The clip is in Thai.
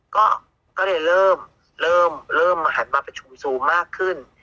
ก็ได้เริ่มเริ่มเริ่มหันมาประชุมซูมมากขึ้น